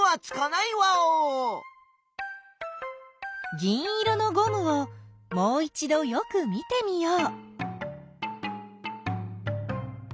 銀色のゴムをもういちどよく見てみよう。